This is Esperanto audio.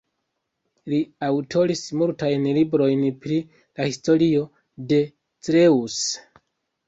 Li aŭtoris multajn librojn pri la historio de Creuse.